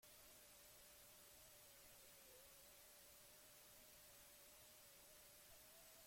Bakarrik sentitzen diren gizon eta emakumeentzat reggae musika?